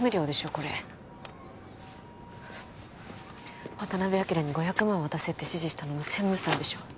これ渡辺昭に５００万渡せって指示したのも専務さんでしょ